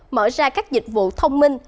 mở ra các dịch vụ thông minh